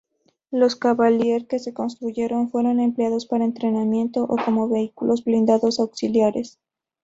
Los Cavalier que se construyeron fueron empleados para entrenamiento o como vehículos blindados auxiliares.